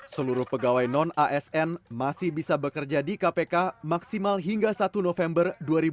seluruh pegawai non asn masih bisa bekerja di kpk maksimal hingga satu november dua ribu dua puluh